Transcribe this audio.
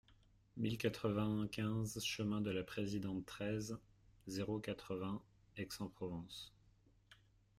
mille quatre-vingt-quinze chemin de la Présidente, treize, zéro quatre-vingts, Aix-en-Provence